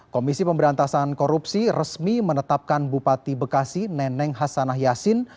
komisi pemberantasan korupsi resmi menetapkan bupati bekasi neneng hasanah yassin